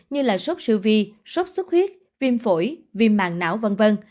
như là sóc siêu vi sóc sức huyết viêm phổi viêm mạng não v v